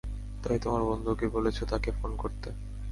তাই তোমার বন্ধুকে বলেছ তাকে ফোন করতে।